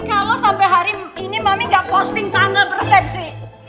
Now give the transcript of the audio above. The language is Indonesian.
kalau sampai hari ini mami gak posting tanggal persepsi